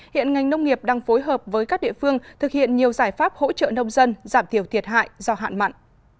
hiện ngành nông nghiệp đang phối hợp với các địa phương thực hiện nhiều giải pháp hỗ trợ nông dân giảm thiểu thiệt hại do hạn mặn